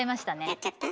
やっちゃった？